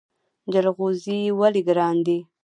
جلغوزي ولې ګران دي؟